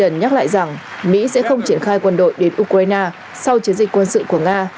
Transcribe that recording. tổng thống joe biden nhắc lại rằng mỹ sẽ không triển khai quân đội đến ukraine sau chiến dịch quân sự của nga